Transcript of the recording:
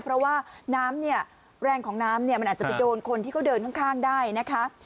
เพราะว่าแรงของน้ำมันอาจจะไปโดนคนที่เขาเดินข้างได้นะคะ